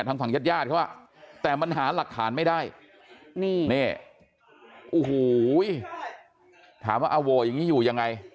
ทางฝั่งญาติญาติเขาแต่มันหาหลักฐานไม่ได้นี่โอ้โหถามว่าอโหอย่างนี้อยู่ยังไง